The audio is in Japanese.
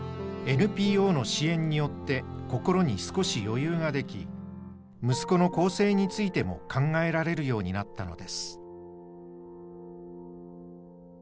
ＮＰＯの支援によって心に少し余裕ができ息子の更生についても考えられるようになったのです。